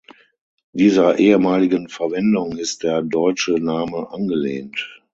Dieser ehemaligen Verwendung ist der deutsche Name angelehnt.